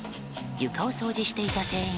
床を掃除していた店員